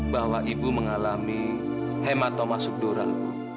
bahwa ibu mengalami hematoma sublural